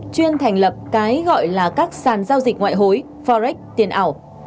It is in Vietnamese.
chuyên thành lập cái gọi là các sàn giao dịch ngoại hối forex tiền ảo